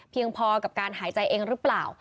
พอกับการหายใจเองหรือเปล่า